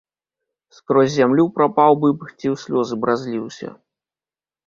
Скрозь зямлю прапаў бы б ці ў слёзы б разліўся!